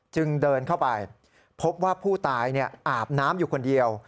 เดินเข้าไปพบว่าผู้ตายอาบน้ำอยู่คนเดียว